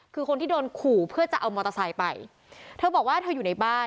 คือคนที่โดนขู่เพื่อจะเอามอเตอร์ไซค์ไปเธอบอกว่าเธออยู่ในบ้าน